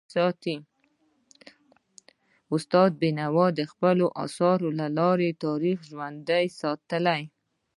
استاد بینوا د خپلو اثارو له لارې تاریخ ژوندی ساتلی.